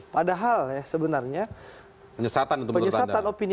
padahal ya sebenarnya penyesatan opini